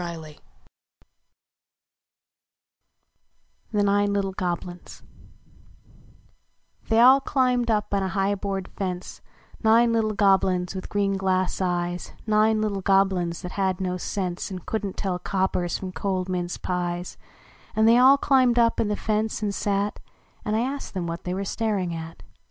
FHE NINE LITTLE GOBLI THEY all climbed up on a high hoard fence Nine little Goblins, with green glass eyes Nine little Goblins that had no sense, And couldn t tell coppers from cold mince pies ; And they all climbed up on the fence, and sat And I asked them what they were staring at.